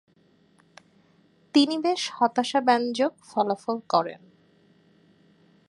তিনি বেশ হতাশাব্যঞ্জক ফলাফল করেন।